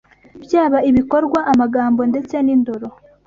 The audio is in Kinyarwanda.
Byaba ibikorwa, amagambo ndetse n’indoro